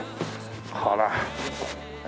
ほら。